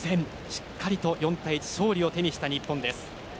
しっかりと４対１、勝利を手にした日本です。